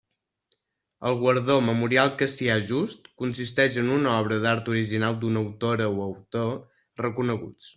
El guardó Memorial Cassià Just consisteix en una obra d'art original d'una autora o autor reconeguts.